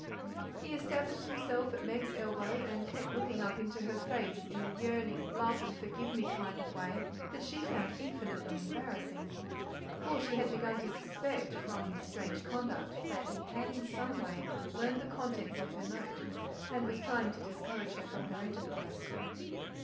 He established himself at Meg's elbow, and kept looking up into her face in a yearning love and forgive me kind of way that she found infinitely embarrassing; for she had begun to suspect, from his strange conduct, that he had in some way learned the contents of her note, and was trying to discourage her from her enterprise.